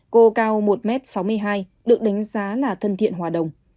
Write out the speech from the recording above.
cô cao một sáu mươi hai m được đánh giá là thân thiện hòa đồng